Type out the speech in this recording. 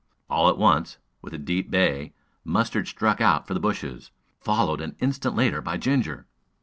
All at once, with a deep bay, Mustard struck out for the bushes, followed an instant later by Ginger.